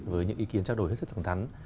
với những ý kiến trao đổi rất sẵn thắn